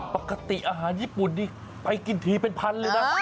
ปกติอาหารญี่ปุ่นนี่ไปกินทีเป็นพันเลยนะ